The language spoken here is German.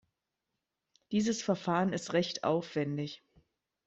Dieses Verfahren ist recht aufwendig.